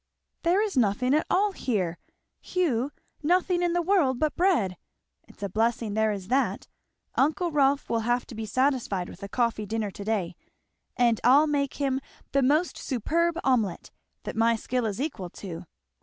There is nothing at all here, Hugh! nothing in the world but bread it's a blessing there is that. Uncle Rolf will have to be satisfied with a coffee dinner to day, and I'll make him the most superb omelette that my skill is equal to!